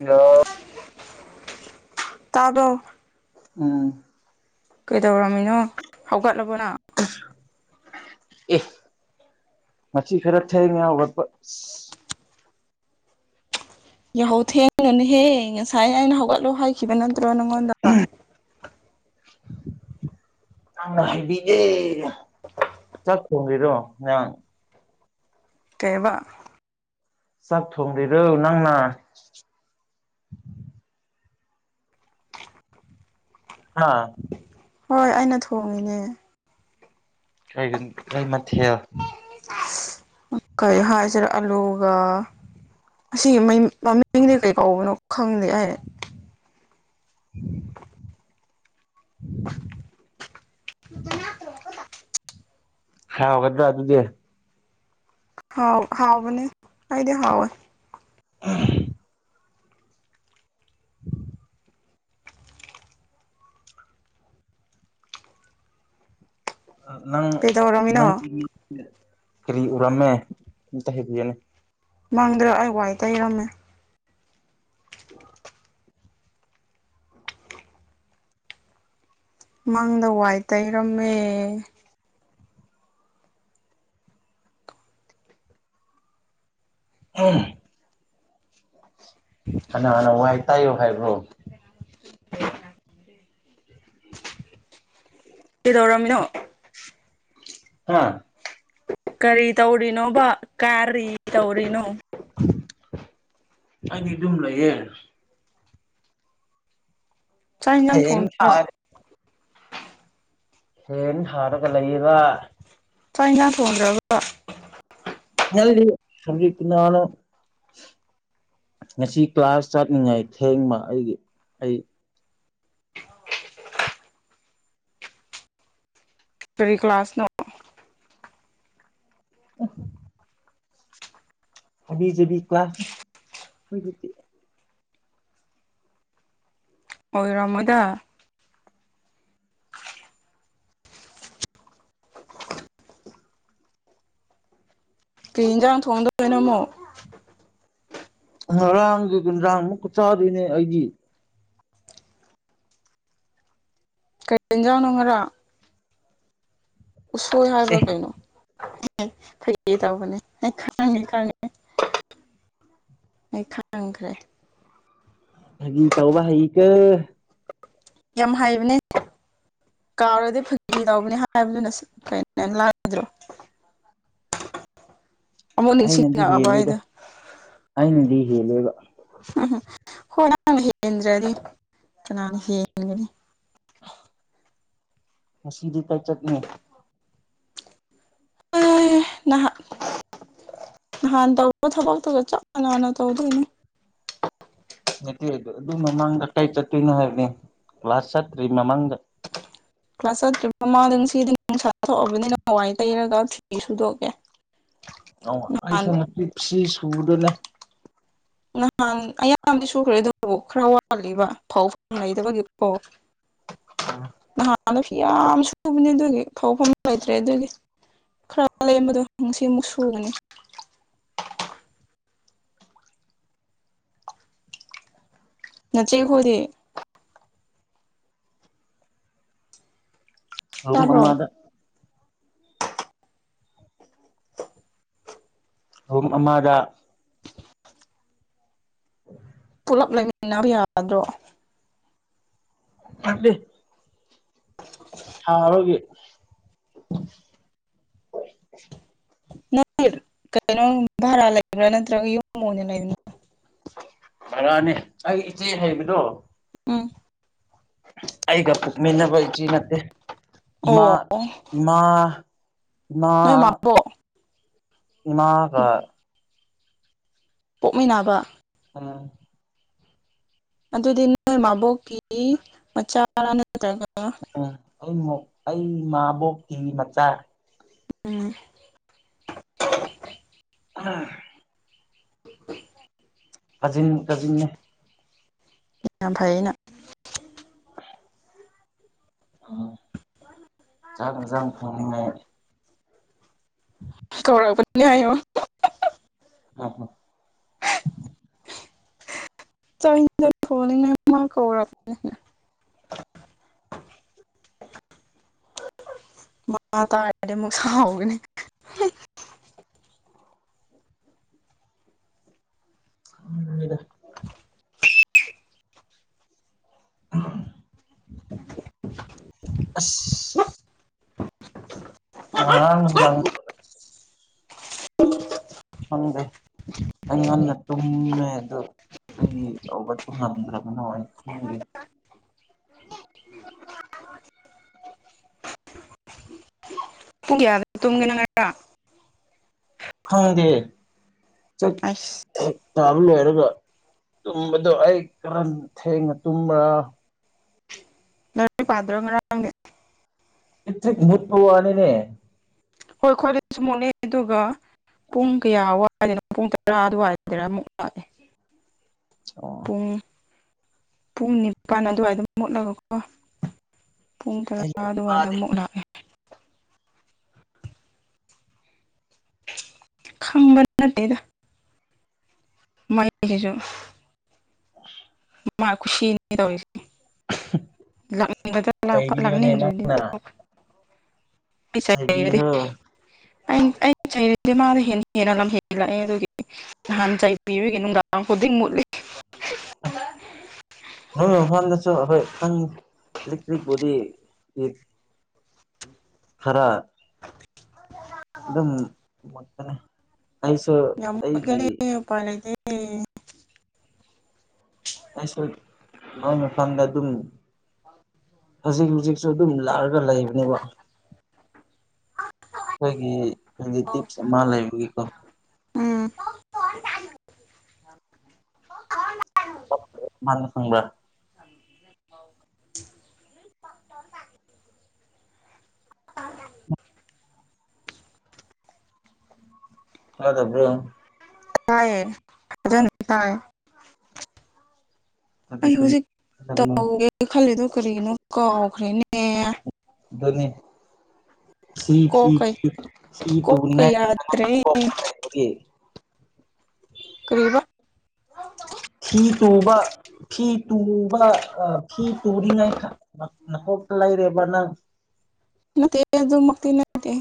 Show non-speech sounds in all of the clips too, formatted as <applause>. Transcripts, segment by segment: ꯌꯥ ꯇꯥꯕꯣ ꯎꯝ ꯀꯩꯗꯧꯔꯝꯃꯤꯅꯣ ꯍꯧꯒꯠꯂꯕꯣ ꯅꯪ ꯑꯦ ꯉꯁꯤ ꯈꯔ ꯊꯦꯡꯉꯦ ꯍꯧꯒꯠꯄ ꯌꯥꯍꯧ ꯊꯦꯡꯅꯅꯦꯍꯦ ꯉꯁꯥꯏ ꯑꯩꯅ ꯍꯧꯒꯠꯂꯣ ꯍꯥꯏꯈꯤꯕ ꯅꯠꯇ꯭ꯔꯣ ꯅꯪꯉꯣꯟꯗ ꯅꯪꯅ ꯍꯥꯏꯕꯤꯒꯦ <unintelligible> ꯅꯪ ꯀꯩꯕ ꯆꯥꯛ ꯊꯣꯡꯗꯩꯔꯣ ꯅꯪꯅ ꯍꯥꯥ ꯍꯣꯏ ꯑꯩꯅ ꯊꯣꯡꯉꯤꯅꯦ ꯀ ꯀꯩ ꯃꯊꯦꯜ ꯀꯔꯤ ꯍꯥꯏꯁꯤꯔꯦ ꯑꯂꯨꯒ ꯑꯁꯤꯒꯤ ꯃꯃꯤꯡꯗꯤ ꯀꯩ ꯀꯧꯕꯅꯣ ꯈꯪꯗꯦ ꯑꯩ <inaudible> <unintelligible> ꯍ ꯍꯧꯒꯗ꯭ꯔ ꯑꯗꯨꯗꯤ ꯍꯥꯎ ꯍꯥꯎꯕꯅꯦ ꯑꯩꯗꯤ ꯍꯥꯎꯋꯦ ꯑ ꯅꯪ ꯀꯩꯗꯧꯔꯝꯃꯤꯅꯣ ꯅꯪꯒꯤ ꯃꯤ ꯀꯔꯤ ꯎꯔꯝꯃꯦ ꯑꯝꯇ ꯍꯥꯏꯕꯤꯌꯨꯅꯤ ꯃꯪꯗ꯭ꯔ ꯑꯩ ꯋꯥꯏ ꯇꯩꯔꯝꯃꯦ ꯃꯪꯗ ꯋꯥꯏ ꯇꯩꯔꯝꯃꯦ ꯑ ꯀꯅꯥꯅ ꯋꯥꯏ ꯇꯥꯏꯌꯣ ꯍꯥꯏꯕ꯭ꯔꯣ <inaudible> ꯀꯩꯗꯧꯔꯝꯃꯤꯅꯣ ꯍꯥ ꯀꯔꯤ ꯇꯧꯔꯤꯅꯣꯕ ꯀꯥꯔꯤ ꯇꯧꯔꯤꯅꯣ ꯑꯩꯗꯤ ꯑꯗꯨꯝ ꯂꯩꯌꯦꯦ ꯆꯥꯛ ꯍꯤꯟꯖꯥꯡ ꯐꯦꯟ ꯊꯣꯡꯉꯗꯣꯏꯔꯣ ꯊꯥꯔ ꯍꯦꯟ ꯊꯔꯒ ꯂꯩꯕ ꯆꯥꯛ ꯍꯦꯟꯖꯥꯡ ꯊꯣꯡꯗ꯭ꯔꯕ <unintelligible> ꯀꯔꯤ ꯀꯅꯥꯅ ꯉꯁꯤ ꯀ꯭ꯂꯥꯁ ꯆꯠꯅꯤꯡꯉꯥꯏ ꯊꯦꯡꯕ ꯑꯩꯒꯤ ꯑꯩ ꯀꯔꯤ ꯀ꯭ꯂꯥꯁꯅꯣ꯫ <inaudible> <inaudible> ꯑꫭꯏꯔꯝꯃꯣꯏꯗꯥ꯫ ꯀꯩ ꯍꯦꯟꯖꯥꯡ ꯊꯣꯡꯗꯣꯏꯅꯣ ꯑꯃꯨꯛ꯫ ꯉꯔꯥꯡꯒꯤ ꯍꯤꯟꯖꯥꯡ ꯑꯃꯨꯛꯀ ꯆꯥꯗꯣꯏꯅꯦ ꯑꯩꯗꯤ꯫ ꯀꯔꯤ ꯌꯦꯟꯖꯥꯡ ꯅꫭ ꯉꯔꯥꯡ꯫ ꯎꯁꯣꯏ ꯑꯦ ꯍꯥꯏꯕ꯭ꯔꯥ ꯀꯩꯅꯣ ꯐꯒꯤ ꯇꯧꯕꯅꯦ ꯑꯩ ꯈꯪꯅꯤ ꯈꯪꯉꯤ꯫ ꯑꯩ ꯈꯪꯈ꯭ꯔꯦ꯫ ꯐꯥꯒꯤ ꯇꯧꯕ ꯍꯩꯀꫭ꯫ ꯌꯥꯝ ꯍꯥꯏꯕꯅꯦ꯫ <inaudible> ꯑꯃꯨꯛ ꯑꯩꯅꯗꯤ ꯅꯤꯡꯁꯤꯡꯉꯛꯑꯕ ꯍꯦꯜꯂꯦꯗ ꯑꯩꯗꯣ ꯑꯩꯅꯗꯤ ꯍꯦꯜꯂꯦꯕ꯫ ꯎ ꯍꯣ ꯅꯪꯅ ꯍꯦꯟꯗ꯭ꯔꯦꯗꯤ ꯀꯅꯥꯅ ꯍꯦꯟꯒꯅꯤ꯫ ꯉꯁꯤꯗꯤ ꯀꯩ ꯆꯠꯅꯤ꯫ ꯑꯦ ꯅꯍꯥ ꯅꯍꯥꯟ ꯇꯧꯕ ꯊꯕꯛꯇꯨꯒ ꯆꯞ ꯃꯥꯟꯅ ꯇꯧꯗꯣꯏꯅꯤ꯫ ꯅꯠꯇꯦ ꯑꯗꯨ ꯑꯗꯨ ꯃꯃꯥꯡꯗ ꯀꯥꯏ ꯆꯠꯇꯣꯏꯅꯣ ꯍꯥꯏꯕꯅꯦ ꯀ꯭ꯂꯥꯁ ꯆꯠꯇ꯭ꯔꯤ ꯃꯃꯥꯡꯗ꯫ ꯀ꯭ꯂꯥꯁ ꯆꯠꯇ꯭ꯔꯤ ꯃꯃꯥꯡꯗ ꯉꯁꯤꯗꯤ ꯅꯨꯡꯁꯥ ꯊꯣꯛꯑꯕꯅꯤꯅ ꯍꯋꯥꯏ ꯇꯩꯔꯒ ꯐꯤ ꯁꯨꯗꯣꯛꯀꯦ꯫ ꯑ ꯅꯍꯥꯟ ꯑꯩꯁꯨ ꯉꯁꯤ ꯐꯤ ꯁꯨꯗꯅꯦ꯫ ꯅꯍꯥꯟ ꯑꯌꯥꯝꯕꯗꯤ ꯁꯨꯈ꯭ꯔꯦ ꯑꯗꯨꯕꯨ ꯈꯔ ꯋꯥꯠꯂꯤꯕ ꯐꯥꯎ ꯐꯝ ꯂꯩꯇꯕꯒꯤꯀꫭ꯫ ꯅꯍꯥꯟꯗꯁꯨ ꯌꯥꯝ ꯁꯨꯕꯅꯦ ꯑꯗꯨꯒꯤ ꯐꯧꯐꯝ ꯂꯩꯇ꯭ꯔꯦ ꯑꯗꯨꯒꯤ꯫ ꯈꯔ ꯂꯦꯝꯕꯗꯣ ꯉꯁꯤ ꯑꯃꯨꯛ ꯁꯨꯒꯅꯤ꯫ ꯅꯆꯦ ꯈꯣꯢꯗꯤ꯫ ꯔꯨꯝ ꯇꯥꯕ꯭ꯔꯣ ꯑꯃꯥꯗ꯫ ꯔꯨꯝ ꯑꯃꯥꯗ ꯄꯨꯜꯂꯞ ꯂꯩꯃꯤꯟꯅꯕ ꯌꯥꯗ꯭ꯔꯣ꯫ <inaudible> ꯁꯥꯕꯒꯤ꯫ <unintelligible> <unintelligible> <inaudible> ꯚꯥꯔꯥꯅꯦ ꯑꯩ ꯏꯆꯦ ꯂꯩꯕꯗꯣ ꯎꯝ ꯑꯩꯒ ꯄꫭꯛꯃꯤꯟꯅꯕ ꯏꯆꯦ ꯅꯠꯇꯦ ꯑꯣ ꯏꯃꯥ ꯏꯃꯥ ꯏꯃꯥ ꯅꯣꯏ ꯃꯥꯕꯣꯛ ꯏꯃꯥꯒ ꯄꯣꯛꯃꯤꯟꯅꫭꯕ꯫ <unintelligible> ꯑꯗꯨꯗꯤ ꯅꯣꯏ ꯃꯥꯕꯣꯛꯀꯤ ꯃꯆꯥꯔ ꯅꯠꯇ꯭ꯔꯒ ꯎꯝ ꯑꯩ ꯑꯩ ꯏꯃꯥꯕꯣꯛꯀꯤ ꯃꯆꯥ꯫ ꯎꯝ꯫ <unintelligible> <unintelligible> ꯀꯖꯤꯟ ꯀꯖꯤꯟꯅꯦ꯫ ꯃꯤꯝ ꯐꯥꯏꯅ ꯎꯝ ꯆ ꯃꯖꯥꯡ ꯐꯪꯅꯤꯡꯉꯥꯏ ꯎꯝ ꯀꯧꯔꯥꯕꯅꯤ ꯍꯥꯏꯌꯨ ꯑ ꯍ ꯆ ꯐꯣꯃ ꯀꯔꯅꯤ ꯃꯥ ꯇꯥꯔꯗꯤ ꯑꯃꯨꯛ ꯁꯍꯒꯅꯤ ꯎꯝ ꯏꯗ ꯎ ꯑ <inaudible> ꯑ ꯎ ꯑꯗ <inaudible> ꯍꯪꯦ ꯍꯉꯅ ꯇꯨꯝꯃꯦ ꯑꯗꯨꯗꯨ ꯀ ꯍꯧꯒꯠꯄ ꯉꯝꯗ꯭ꯔꯕꯅꯣ <inaudible> ꯄꯨꯡ ꯀꯌꯥꯗ ꯇꯨꯝꯒꯦꯅꯪ ꯉꯔ ꯈꯪꯗꯦ ꯑꯁ ꯇꯥꯕ ꯂꯣꯏꯔꯒ ꯇꯨꯝꯕꯗꯣ ꯑꯩ ꯀꯔ ꯊꯦꯡꯅ ꯇꯨꯝꯕ꯭ꯔꯥ ꯅ ꯄꯥꯗꯔ ꯄꯛꯇ ꯃꯨꯠꯄꯅꯤꯅꯦ ꯍꯣꯏ ꯈꯣꯏꯔ ꯆꯨꯝꯃꯨꯅꯦ ꯑꯗꯨꯒ ꯄꯨꯡ ꯀꯌꯥ ꯋꯥꯏꯗꯅꯣ ꯄꯨꯡ ꯇꯔꯥ ꯑꯗꯨꯋꯥꯏꯗꯔꯥ ꯑꯃꯨꯛ ꯂꯥꯛꯑꯦ ꯑꯣ ꯎꯝ ꯄꯨꯡ ꯅꯤꯄꯥꯜ ꯑꯗꯨꯋꯥꯏꯗꯝ ꯃꯨꯠꯂꯒꯀꯣ ꯄꯨꯡ ꯇꯔꯥ ꯑꯩ ꯑꯗꯨꯋꯥꯏꯗ ꯏꯃꯥꯗꯤ ꯑꯃꯨꯛ ꯂꯥꯛꯑꯦ ꯈꯪꯝꯕ ꯅꯠꯇꯦꯗ ꯃꯣꯏ ꯌꯦꯁꯨ ꯑꯣ ꯃꯥ ꯈꯨꯁꯤꯅꯤ ꯇꯧꯔꯤꯁꯦ <inaudible> ꯂꯅꯤꯡ ꯆꯩꯕꯤꯌꯨꯅꯦ ꯂꯥꯛꯅꯤꯡ ꯔꯗꯤ ꯅꯪꯅ ꯁ ꯆꯩꯕꯤꯈ꯭ꯔꯣ ꯃꯥ ꯍꯦꯟꯅ ꯂꯝ ꯍꯂ ꯅꯍꯥꯟ ꯆꯥꯏ ꯄꯤꯕꯤꯒꯦ ꯅꯨꯡꯗꯥꯡ ꯈꯨꯗꯤꯡ ꯃꯨꯠꯂꯤ ꯅꯣꯏ ꯃꯥꯟꯗꯁꯨ ꯑꯩꯈꯣꯏ ꯏꯂꯦꯛꯇ꯭ꯔꯤꯛ ꯕꯣꯗꯤ ꯈꯔ <inaudible> ꯑꯗꯨꯝꯅꯦ ꯑꯩꯁꯨ ꯑꯩꯒꯤ ꯎ ꯄꯄꯥ ꯂꯩꯗꯤ ꯑꯩꯁꯨꯅ ꯐꯪꯗ ꯑꯗꯨꯝ ꯍꯧꯖꯤꯛ ꯍꯧꯖꯤꯛꯁꯨ ꯑꯗꯨꯝ ꯂꯥꯛꯑꯒ ꯂꯩꯕꯅꯦꯕ ꯑꯩꯈꯣꯏꯒꯤꯞꯁ ꯃꯥ ꯂꯩꯕꯒꯤꯀꯣ ꯎꯝ <unintelligible> ꯃꯥꯅ ꯐꯪꯕ꯭ꯔ ꯊꯗꯕ꯭ꯔꯣ ꯇꯥꯏꯌꯦ ꯐꯖꯅ <unintelligible> ꯑꯗꯨꯗꯤ ꯑꯩ ꯀꯔꯤ ꯍꯧꯖꯤꯛ ꯇꯧꯒꯦ ꯈꯜꯂꯤꯗꯣ ꯀꯔꯤꯅꯣ ꯀꯥꯎꯈ꯭ꯔꯦꯅꯦ ꯍꯟꯗꯛꯅꯦ ꯁꯤ ꯐꯤ ꯀꯣꯛꯀ ꯊꯤ ꯁꯤ ꯀꯣꯛꯀ ꯇꯧꯅꯤꯡꯉꯥꯏ ꯑꯉꯥꯡ ꯌꯥꯗ꯭ꯔꯦ ꯄꯣꯛꯄ ꯂꯩꯕꯒꯤ ꯀꯔꯤꯕ ꯐꯤ ꯇꯨꯕ ꯐꯤ ꯇꯨꯕ ꯐꯤ ꯇꯨꯅꯤꯡꯉꯥꯏ <unintelligible> ꯅꯀꯣꯛꯇ ꯂꯩꯔꯦꯕ ꯅꯪ ꯅꯠꯇꯦꯍꯦ ꯑꯗꯨ ꯃꯛꯇꯤ ꯅꯠꯇꯦ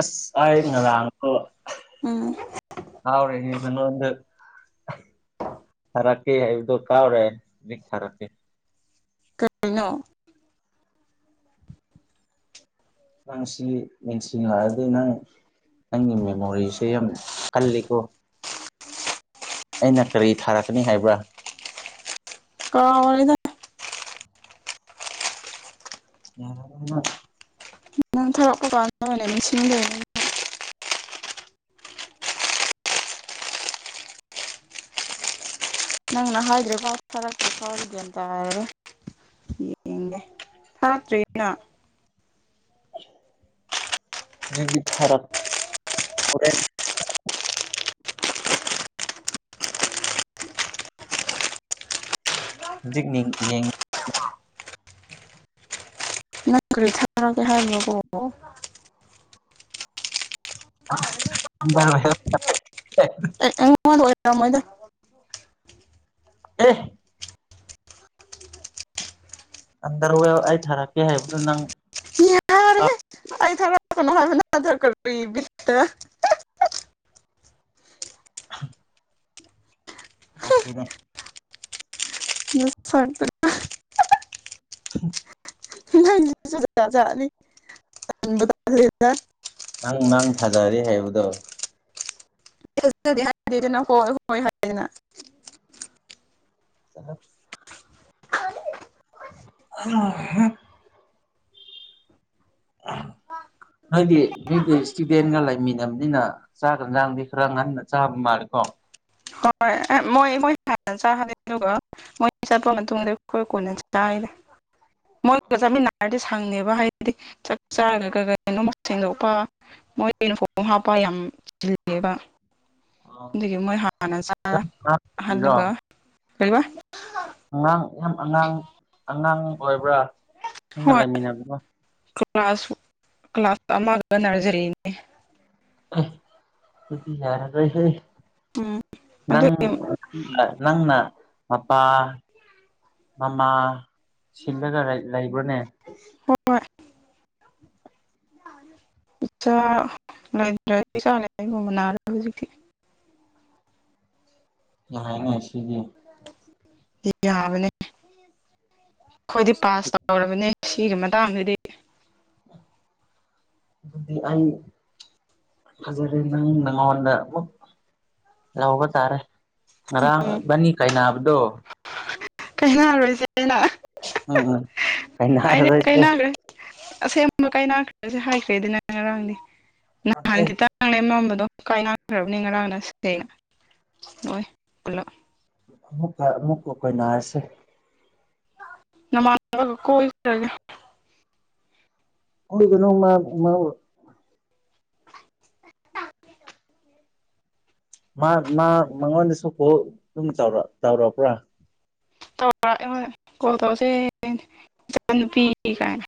ꯑꯁ ꯑꯥꯏ ꯉꯔꯥꯡꯀꯣ ꯎꯝ ꯉꯥꯎꯔꯦꯍꯦ ꯅꯉꯣꯟꯗ ꯂꯛꯀꯦ ꯍꯥꯏꯕꯗꯣ ꯀꯥꯎꯔꯦ ꯃꯤ ꯊꯥꯔꯛꯀꯦ <unintelligible> ꯅꯪ ꯁꯤ ꯅꯤꯡꯁꯤꯡꯂꯛꯑꯗꯤ ꯅꯪ ꯅꯪꯒꯤ ꯃꯦꯃꯣꯔꯤꯁꯦ ꯌꯥꯝ ꯀꯜꯂꯤꯀꯣ ꯑꯩꯅ ꯀꯔꯤ ꯊꯥꯔꯛꯀꯅꯤ ꯍꯥꯏꯕ꯭ꯔꯥ ꯀꯥꯎꯔꯦꯗ ꯌꯥꯔꯣꯏꯗ ꯅꯪ ꯊꯔꯛꯄ <unintelligible> ꯅꯪꯅ ꯍꯥꯏꯗ꯭ꯔꯕꯥꯎ ꯊꯔꯛꯇ꯭ꯔꯤꯐꯥꯎꯗꯤ ꯒ꯭ꯌꯥꯟ ꯇꯥꯔꯔꯣꯏ ꯌꯦꯡꯒꯦ ꯍꯥꯇ꯭ꯔꯤ ꯖꯤꯒꯤ ꯊꯔꯛ ꯍꯧꯖꯤꯛ ꯅꯤꯡ ꯌꯦꯡꯅꯤꯡ ꯅꯪ ꯀꯔꯤ ꯊꯥꯔꯛꯀꯦ ꯍꯥꯏꯕꯔꯀꯣ <unintelligible> ꯑꯩ ꯑꯩꯉꯣꯟꯗ ꯑꯣꯏꯔꯝꯃꯣꯏꯗ ꯑꯦ ꯑꯟꯗꯔꯋꯦꯌꯔ ꯑꯩ ꯊꯥꯔꯛꯀꯦ ꯍꯥꯏꯕꯗꯨ ꯅꯪ ꯌꯥꯔꯦꯍꯦ ꯑꯩ ꯊꯔꯛ <unintelligible> ꯀꯔꯤ ꯕꯤꯠꯇ <unintelligible> ꯅꯠꯇꯦꯅꯦ <unintelligible> <unintelligible> ꯃꯟꯅꯤ ꯖꯥꯠ ꯖꯥꯠꯅꯤ ꯇꯟꯕꯨ ꯇꯟꯂꯦꯗ ꯅꯪ ꯅꯪ ꯊꯥꯖꯔꯦ ꯍꯥꯏꯕꯗꯣ <unintelligible> <unintelligible> <unintelligible> <unintelligible> ꯅꯣꯏꯗꯤ ꯅꯣꯏꯒꯤ ꯏꯁꯇꯨꯗꯦꯟꯒ ꯂꯩꯃꯤꯟꯅꯕꯅꯤꯅ ꯆꯥꯛ ꯑꯦꯟꯖꯥꯡꯗꯤ ꯈꯔ ꯉꯟꯅ ꯆꯥꯕ ꯃꯥꯂꯤꯀꯣ ꯍꯣꯏ ꯃꯣꯏ ꯃꯣꯏ ꯍꯥꯟꯅ ꯆꯍꯟꯂꯤ ꯑꯗꯨꯒ ꯃꯣꯏ ꯆꯠꯄ ꯃꯇꯨꯡꯗ ꯑꯩꯈꯣꯏ ꯀꯣꯟꯅ ꯆꯥꯏꯗ ꯃꯣꯏꯒ ꯆꯥꯃꯤꯟꯅꯔꯗꯤ ꯁꯪꯅꯦꯕ ꯍꯥꯏꯗꯤ ꯆꯥꯛ ꯆꯥꯔꯒ ꯀ ꯀꯩꯅꯣ ꯁꯦꯡꯗꯣꯛꯄ <unintelligible> ꯍꯥꯞꯄ ꯌꯥꯝ ꯆꯤꯜꯂꯦꯕ ꯑꯗꯨꯒꯤ ꯃꯣꯏ ꯍꯥꯟꯅ ꯆꯥꯔ ꯔꯣ ꯑꯍꯜꯂꯒ ꯀꯔꯤꯕ ꯑꯉꯥꯡ ꯌꯥꯝ ꯑꯉꯥꯡ ꯑꯉꯥꯡ ꯑꯣꯏꯕ꯭ꯔꯥ ꯅꯪꯅ ꯍꯣꯏ ꯂꯩꯃꯤꯟꯅꯕꯗꯣ ꯀ꯭ꯂꯥꯁ ꯀ꯭ꯂꯥꯁ <unintelligible> ꯅꯔꯖꯔꯤꯅꯦ ꯑꯩ ꯑꯗꯨꯗꯤ ꯌꯥꯔꯔꯣꯏ ꯍꯩ ꯎꯝ ꯅꯪ ꯑꯗꯨꯒꯤ ꯅꯪꯅ ꯃꯄꯥ ꯃꯃꯥ ꯁꯤꯜꯂꯒ ꯂꯩ ꯂꯩꯕ꯭ꯔꯥꯅꯦ ꯍꯣꯏ ꯏꯆꯥꯥ <unintelligible> ꯍꯧꯖꯤꯛꯇꯤ ꯌꯥ ꯍꯥꯏꯅꯦ ꯁꯤꯗꯤ ꯌꯥꯕꯅꯦ ꯑꯩꯈꯣꯏꯗꯤ ꯄꯥꯁ ꯇꯧ ꯇꯧꯔꯕꯅꯦ ꯁꯤꯒꯤ ꯃꯇꯥꯡꯗꯗꯤ ꯑꯗꯨꯗꯤ ꯑꯩ ꯐꯖꯔꯦ ꯅꯪ ꯅꯪꯉꯣꯟꯗ ꯑꯃꯨꯛ ꯂꯧꯕ ꯇꯥꯔꯦ ꯉꯔꯥꯡ ꯎꯝ ꯏꯕꯥꯅꯤ ꯀꯥꯏꯅꯥꯕꯗꯣ <unintelligible> ꯑꯁꯦꯡꯕ <unintelligible> ꯎꯝ ꯎꯝ ꯀꯥꯏꯅꯔꯔꯣꯏꯁꯦ ꯅꯠꯇꯦ <unintelligible> ꯍꯣꯏ ꯄꯨꯜꯂꯞ ꯑꯃꯨꯛꯀ ꯑꯃꯨꯛꯀ ꯀꯣꯏꯅꯔꯁꯦ ꯅꯃꯥꯟꯅꯕꯒ ꯀꯣꯏꯈ꯭ꯔꯒꯦ ꯀꯣꯏꯒꯅꯨ ꯃꯥ ꯃꯥꯕꯨ ꯃꯥ ꯃꯥ ꯃꯉꯣꯟꯗꯁꯨ ꯀꯣꯜ ꯑꯗꯨꯝ ꯇꯧꯔꯛ ꯇꯧꯔꯛꯄ꯭ꯔꯥ ꯇꯧꯔꯛꯑꯦ ꯍꯣꯏ ꯀꯣꯜ ꯇꯧꯁꯦ ꯏꯆꯥ ꯅꯨꯄꯤ ꯀꯥꯏꯅ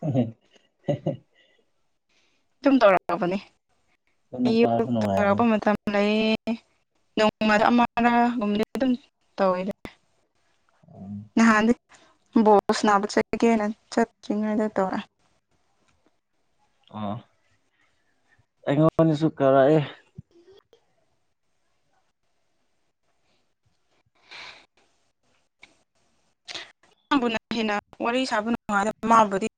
ꯍꯦ ꯍꯦ ꯍꯦ ꯍꯦ ꯑꯗꯨꯝ ꯇꯧꯔꯛꯑꯕꯅꯦ ꯑꯗꯨ ꯅꯨꯄꯥꯁꯨ ꯑꯌꯨꯛ ꯅꯨꯡꯉꯥꯏꯕꯅꯤ ꯇꯧꯔꯛꯄ ꯃꯇꯝ ꯂꯩ ꯅꯣꯡꯃꯗ ꯑꯃꯔꯥꯒꯨꯝꯕꯗꯤ ꯑꯗꯨꯝ ꯇꯧꯋꯤꯗ ꯅꯍꯥꯟꯗꯤ ꯕꯣꯜ ꯁꯟꯅꯥꯕ ꯆꯠꯀꯦꯅ ꯆꯠꯇ꯭ꯔꯤꯉꯩꯗ ꯇꯧꯔꯛꯑꯦ ꯑꯣ ꯑꯩꯉꯣꯟꯗꯁꯨ ꯀꯧꯔꯛꯑꯦ ꯅꯪꯕꯨꯅ ꯍꯦꯟꯅ ꯋꯥꯔꯤ ꯁꯥꯕ ꯅꯨꯡꯉꯥꯏꯗ ꯃꯥꯕꯨꯗꯤ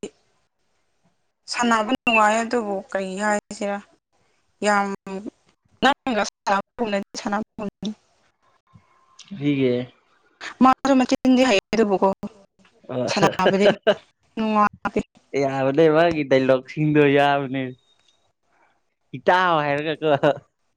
ꯁꯥꯟꯅꯕ ꯅꯨꯡꯉꯥꯏꯌꯦ ꯑꯗꯨꯕꯨ ꯀꯔꯤ ꯍꯥꯏꯁꯤꯔꯥ ꯌꯥꯝ <unintelligible> ꯀꯔꯤꯒꯦ ꯃꯥꯖꯨ ꯃꯆꯤꯟꯗꯤ ꯍꯩꯌꯦ ꯑꯗꯨꯕꯨꯀꯣ ꯑꯣ ꯁꯥꯟꯅꯕꯗꯤ ꯅꯨꯡꯉꯥꯏ ꯑꯦ ꯌꯥꯕꯅꯦ ꯃꯥꯒꯤ ꯗꯥꯏꯂꯣꯛꯁꯤꯡꯗꯣ ꯌꯥꯕꯅꯦ ꯏꯇꯥꯎ ꯍꯥꯏꯔꯒ ꯀꯣ